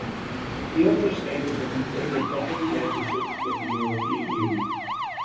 He also stated that he favored better relations with the European Union.